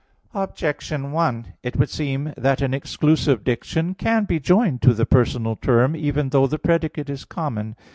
Objection 1: It would seem that an exclusive diction can be joined to the personal term, even though the predicate is common.